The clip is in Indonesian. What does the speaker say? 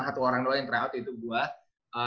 satu orang doang yang try out itu gue